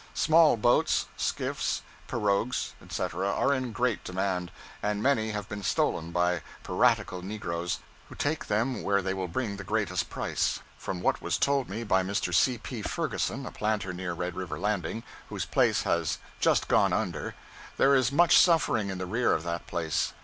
Small boats, skiffs, pirogues, etc., are in great demand, and many have been stolen by piratical negroes, who take them where they will bring the greatest price. From what was told me by Mr. C. P. Ferguson, a planter near Red River Landing, whose place has just gone under, there is much suffering in the rear of that place.